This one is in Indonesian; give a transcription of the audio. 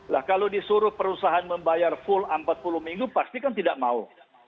lah kalau disuruh perusahaan membayar full empat puluh minggu pasti kan tidak mau